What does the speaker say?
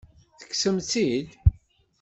Tekksemt-tt-id?